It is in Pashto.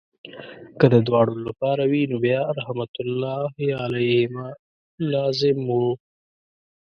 که د دواړو لپاره وي نو بیا رحمت الله علیهما لازم وو.